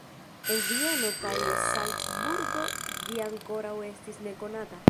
En Vieno kaj Salcburgo ĝi ankoraŭ estis nekonata.